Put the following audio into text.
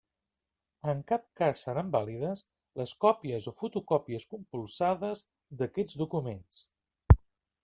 En cap cas seran vàlides les còpies o fotocòpies compulsades d'aquests documents.